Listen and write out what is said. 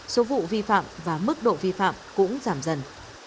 số vụ vi phạm và mức độ vi phạm cũng giảm dần